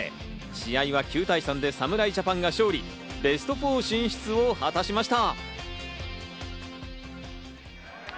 試合は９対３で侍ジャパンが勝利、ベスト４進出を果たしました。